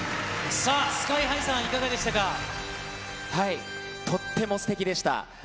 ＳＫＹーＨＩさん、いかがでとってもすてきでした。